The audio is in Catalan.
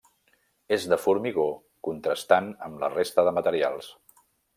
És de formigó contrastant amb la resta de materials.